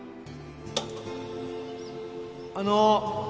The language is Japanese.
あの